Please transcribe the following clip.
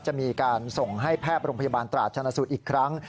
จะมีการส่งให้แพพโรงพยาบาลตราชนสุทธิ์อีกครั้ง